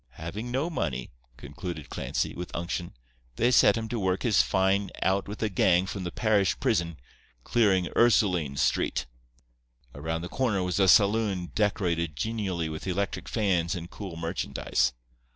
"Havin' no money," concluded Clancy, with unction, "they set him to work his fine out with a gang from the parish prison clearing Ursulines Street. Around the corner was a saloon decorated genially with electric fans and cool merchandise.